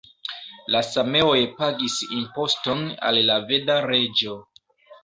La sameoj pagis imposton al la veda reĝo.